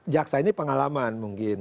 jaksa ini pengalaman mungkin